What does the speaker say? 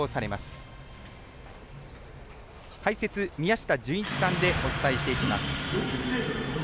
解説、宮下純一さんでお伝えしていきます。